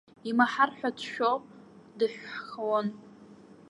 Имаҳар ҳәа дшәоу, дыҳәҳхон.